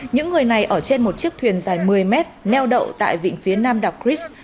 những người này ở trên một chiếc thuyền dài một mươi mét neo đậu tại vịnh phía nam đạc chris